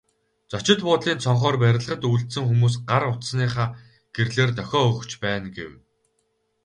Зочид буудлын цонхоор барилгад үлдсэн хүмүүс гар утасныхаа гэрлээр дохио өгч байна гэв.